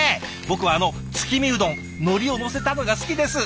僕はあの月見うどんのりを載せたのが好きです。